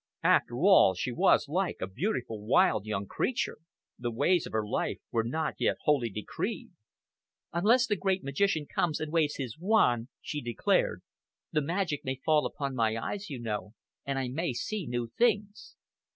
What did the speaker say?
After all, she was like a beautiful wild young creature. The ways of her life were not yet wholly decreed. "Unless the great magician comes and waves his wand," she declared. "The magic may fall upon my eyes, you know, and I may see new things."